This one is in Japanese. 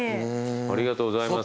ありがとうございます。